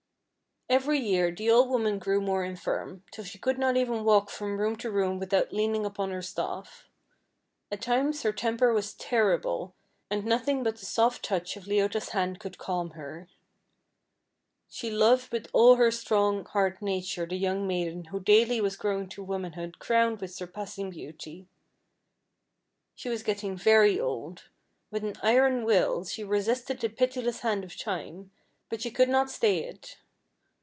Every year the old woman grew more infirm, till she could not even walk from room to room without leaning upon her staff. At times her temper was terrible, and nothing but the soft touch of Leota's hand could calm her. She loved with all her strong hard nature the young maiden who daily was growing to womanhood crowned with surpassing beauty. She was getting very old. With an iron will she resisted the pitiless hand of time, but she could not stay it.